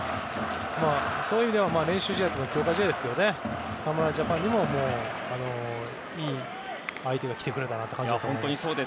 そういう意味では強化試合ですから侍ジャパンにもいい相手が来てくれたなという感じだと思います。